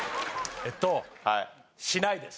えっとしないです。